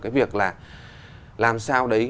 cái việc là làm sao đấy